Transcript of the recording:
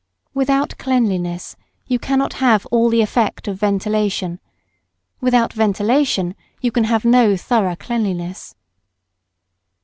Without cleanliness, you cannot have all the effect of ventilation; without ventilation, you can have no thorough cleanliness.